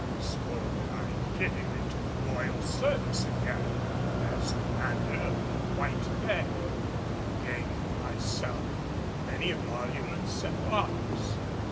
So that I came into the royal service again as commander of the White Bear, and gained for myself many emoluments and honors.